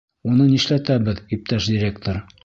— Уны нишләтәбеҙ, иптәш директор?